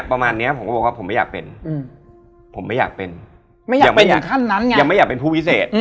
ประมาณนี้ผมก็บอกว่าผมไม่อยากเป็นผมไม่อยากเป็นยังไม่อยากเป็นผู้พิเศษ